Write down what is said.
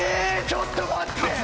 ⁉ちょっと待って！